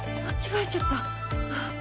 間違えちゃった。